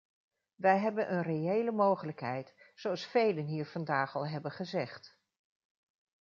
Wij hebben een reële mogelijkheid, zoals velen hier vandaag al hebben gezegd.